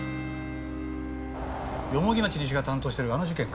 蓬町西が担当してるあの事件か。